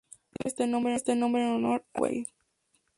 Reciben este nombre en honor a Hermann Weyl.